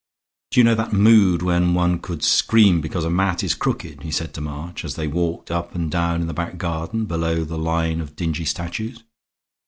"Do you know that mood when one could scream because a mat is crooked?" he said to March, as they walked up and down in the back garden below the line of dingy statues.